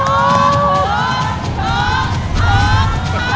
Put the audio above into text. โอ้โฮ